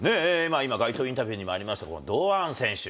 今、街頭インタビューにもありました、堂安選手。